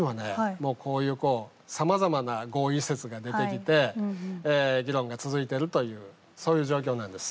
もうこういうさまざまな合意説が出てきて議論が続いてるというそういう状況なんです。